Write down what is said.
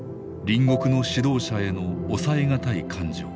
隣国の指導者への抑えがたい感情。